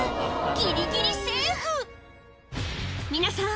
ギリギリセーフ皆さん